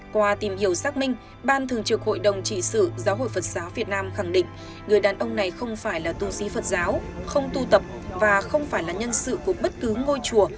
qua tìm hiểu xác minh ban thường trực hội đồng trị sự giáo hội phật giáo việt nam khẳng định người đàn ông này không phải là tu sĩ phật giáo không tu tập và không phải là nhân sự của bất cứ ngôi chùa